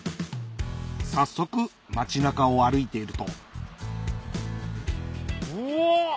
早速街中を歩いているとうわっ！